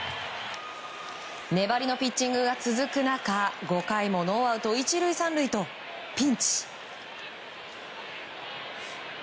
粘りのピッチングが続く中５回もノーアウト１塁３塁とピンチ。